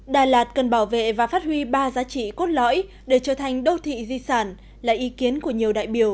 đà lạt cần bảo vệ và phát huy ba giá trị cốt lõi để trở thành đô thị di sản là ý kiến của nhiều đại biểu